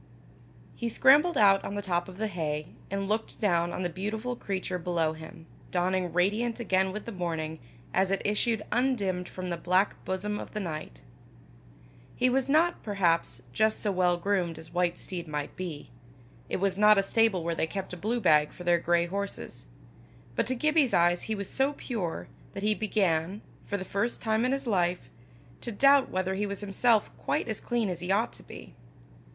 He scrambled out on the top of the hay, and looked down on the beautiful creature below him, dawning radiant again with the morning, as it issued undimmed from the black bosom of the night. He was not, perhaps, just so well groomed as white steed might be; it was not a stable where they kept a blue bag for their grey horses; but to Gibbie's eyes he was so pure, that he began, for the first time in his life, to doubt whether he was himself quite as clean as he ought to be.